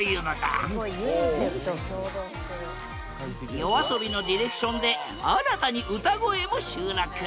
ＹＯＡＳＯＢＩのディレクションで新たに歌声も収録。